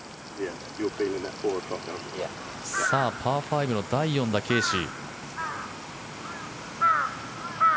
パー４の第４打、ケーシー。